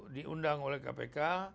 diundang oleh kpk